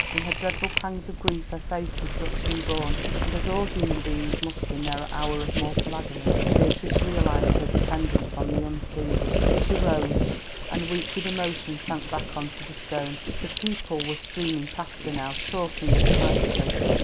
In her dreadful pangs of grief her faith was thus re born, and, as all human beings must in their hour of mortal agony, Beatrice realised her dependence on the Unseen. She rose, and weak with emotion sank back on to the stone. The people were streaming past her now, talking excitedly.